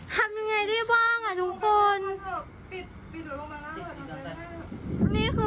ทำไงดีบ้างอ่ะทุกคน